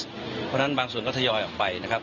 เพราะฉะนั้นบางส่วนก็ทยอยออกไปนะครับ